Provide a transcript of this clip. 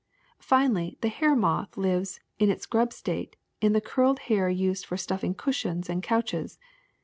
^^ Finally, the hair moth lives, in its grub state, in the curled hair used for stuflfing cushions and couches.